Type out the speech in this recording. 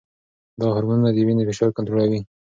دا هرمونونه د وینې فشار کنټرولوي.